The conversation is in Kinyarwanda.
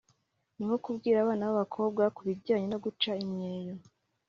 ni nko kubwira abana b’abakobwa ku bijyanye no guca imyeyo